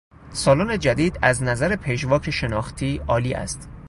سالن جدید از نظر پژواک شناختی عالی است.